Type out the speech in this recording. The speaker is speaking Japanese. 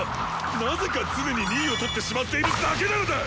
なぜか常に２位をとってしまっているだけなのだ！